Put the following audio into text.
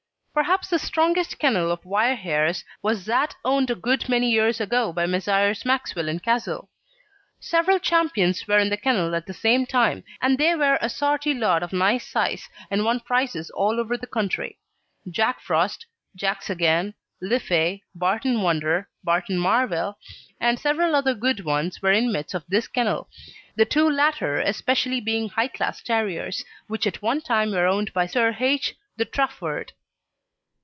Perhaps the strongest kennel of wire hairs that has existed was that owned a good many years ago by Messrs. Maxwell and Cassell. Several champions were in the kennel at the same time, and they were a sorty lot of nice size, and won prizes all over the country. Jack Frost, Jacks Again, Liffey, Barton Wonder, Barton Marvel, and several other good ones, were inmates of this kennel, the two latter especially being high class terriers, which at one time were owned by Sir H. de Trafford.